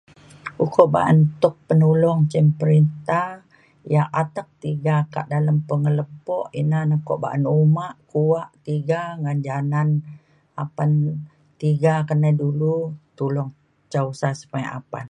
ukok ba’an tuk penulong cin perinta yak atek tiga dalem pengelepo ina na kuak ba’an uma kuak tiga ngan janan apan tiga kenai dulu tulong ca usa [unintelligible]